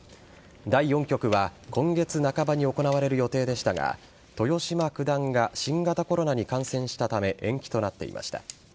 第４局は今月半ばに行われる予定でしたが豊島九段が新型コロナに感染したため延期となっていました。